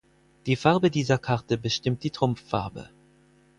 Die Farbe dieser Karte bestimmt die Trumpf-Farbe.